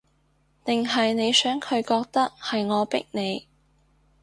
定係你想佢覺得，係我逼你